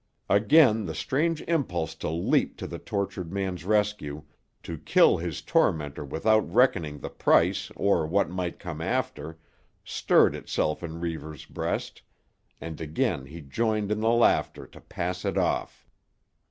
Again the strange impulse to leap to the tortured man's rescue, to kill his tormentor without reckoning the price or what might come after, stirred itself in Reivers' breast, and again he joined in the laughter to pass it off.